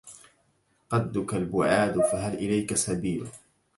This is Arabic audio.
قدك البعاد فهل إليك سبيل